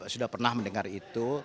sudah pernah mendengar itu